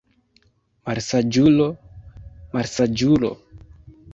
Malsaĝulo, malsaĝulo!